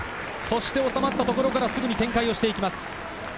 収まったところからすぐに展開してきます。